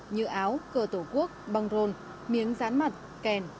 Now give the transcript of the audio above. như áo cờ tổ quốc băng rôn miếng rán mặt kèn